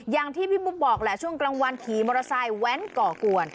อย่างที่พี่บุ๊คบอกแหละช่วงกลางวันขี่มอเตอร์ไซค์แว้นก่อกวน